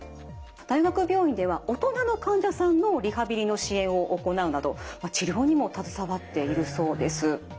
大学病院では大人の患者さんのリハビリの支援を行うなど治療にも携わっているそうです。